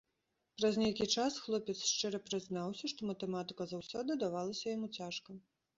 Праз нейкі час хлопец шчыра прызнаўся, што матэматыка заўсёды давалася яму цяжка.